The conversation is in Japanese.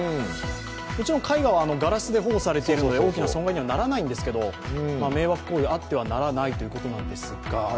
もちろん絵画はガラスで保護されているので大きな損害にはならないんですけど迷惑行為はあってはならないということなんですけど。